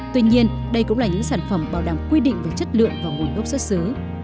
tuy nhiên đây cũng là những sản phẩm bảo đảm quy định về chất lượng và nguồn gốc xuất xứ